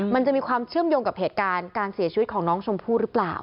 มันจะมีความเชื่อมโยงกับเหตุการณ์การเสียชีวิตของน้องชมพู่หรือเปล่า